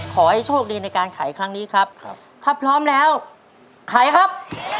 ขอให้โชคดีในการขายครั้งนี้ครับถ้าพร้อมแล้วขายครับ